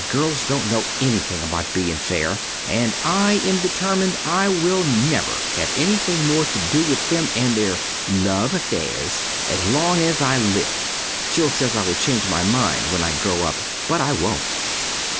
Girls don't know anything about being fair, and I am determined I will never have anything more to do with them and their love affairs as long as I live. Jill says I will change my mind when I grow up, but I won't.